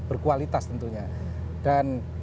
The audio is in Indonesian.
berkualitas tentunya dan